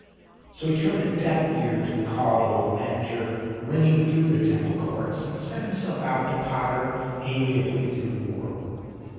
So he turned a deaf ear to the call of "Manger" ringing through the Temple Courts, and set himself out to potter amiably through the world.